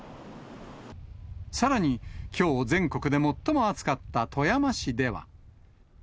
さらに、きょう全国で最も暑かった富山市では。